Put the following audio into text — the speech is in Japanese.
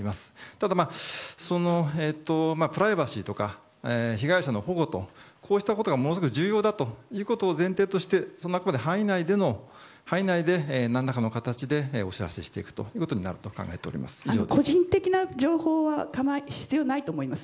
ただ、プライバシーとか被害者の保護とこうしたことがものすごく重要だということを前提としてその中で、範囲内で何らかの形でお知らせしていくことになると個人的な情報は必要ないと思います。